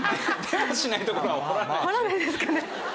掘らないですかね？